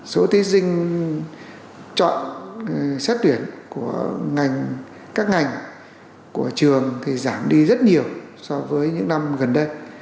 số thí sinh chọn xét tuyển của ngành các ngành của trường thì giảm đi rất nhiều so với những năm gần đây